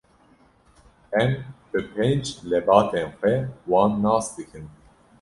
Em bi pênc lebatên xwe wan nas dikin.